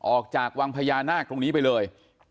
ออกจากวังพญานาคตรงนี้ไปเลย